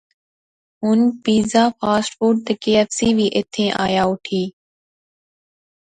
ہن پیزا، فاسٹ فوڈ تے کے ایف سی وی ایتھیں آیا اوٹھی